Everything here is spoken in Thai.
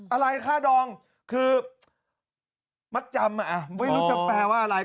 อะไรค่าดองคือมัดจำอ่ะไม่รู้จะแปลว่าอะไร